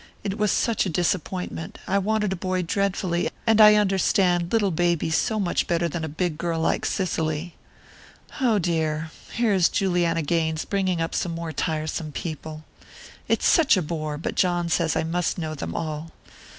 It was such a disappointment I wanted a boy dreadfully, and I understand little babies so much better than a big girl like Cicely.... Oh, dear, here is Juliana Gaines bringing up some more tiresome people! It's such a bore, but John says I must know them all.